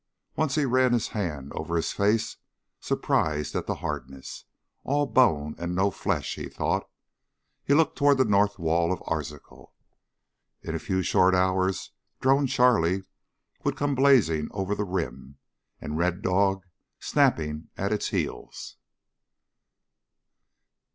Once he ran his hand over his face, surprised at the hardness. All bone and no flesh, he thought. He looked toward the north wall of Arzachel. In a few short hours Drone Charlie would come blazing over the rim, and Red Dog snapping at its heels.